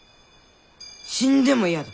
死んでも嫌だ。